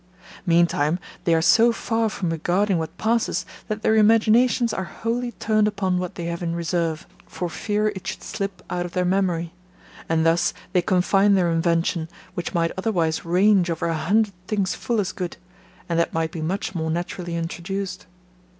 Meantime, they are so far from regarding what passes, that their imaginations are wholly turned upon what they have in reserve, for fear it should slip out of their memory; and thus they confine their invention, which might otherwise range over a hundred things full as good, and that might be much more naturally introduced.